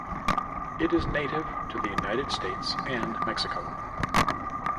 It is native to the United States and Mexico.